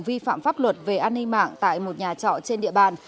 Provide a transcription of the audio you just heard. vi phạm pháp luật về an ninh mạng tại một nhà trọ trên địa bàn